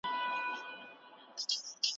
بندونه جوړ کړئ.